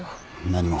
何も。